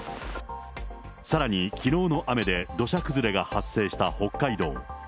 さらにきのうの雨で土砂崩れが発生した北海道。